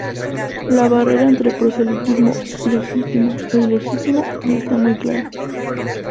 La barrera entre proselitismo legítimo e ilegítimo no está muy clara.